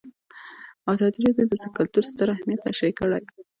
ازادي راډیو د کلتور ستر اهميت تشریح کړی.